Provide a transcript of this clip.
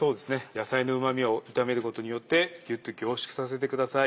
野菜のうま味を炒めることによってぎゅっと凝縮させてください。